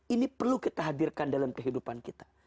ini perlu kita hadirkan dalam kehidupan kita